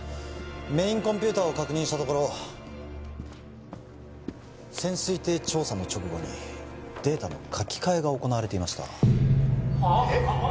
メインコンピューターを確認したところ潜水艇調査の直後にデータの書き換えが行われていましたえっ？